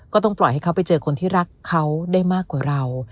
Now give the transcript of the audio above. ก็ต้องปล่อยให้เขาไปเจอคนที่รักเขาได้มากกว่าเรา